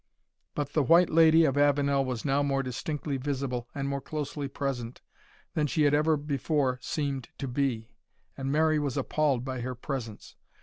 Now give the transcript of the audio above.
But the White Lady of Avenel was now more distinctly visible, and more closely present, than she had ever before seemed to be, and Mary was appalled by her presence.